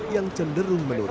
yang berlaku di negara